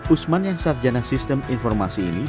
usman yang sarjana sistem informasi ini